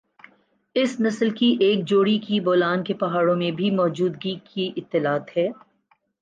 اس نسل کی ایک جوڑی کی بولان کے پہاڑیوں میں بھی موجودگی کی اطلاعات ہے